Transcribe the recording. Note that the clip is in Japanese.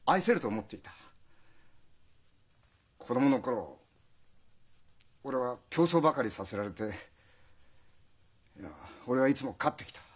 子供の頃俺は競争ばかりさせられて俺はいつも勝ってきた。